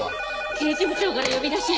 刑事部長から呼び出し。